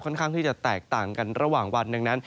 ค่อนข้างที่จะแตกต่างกันระหว่างวัน